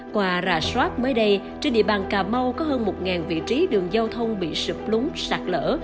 qua rà soát mới đây trên địa bàn cà mau có hơn một vị trí đường giao thông bị sụp lúng sạt lỡ